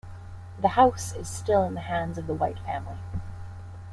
The house is still in the hands of the White family.